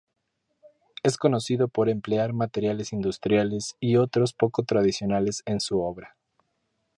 Es conocido por emplear materiales industriales y otros poco tradicionales en su obra.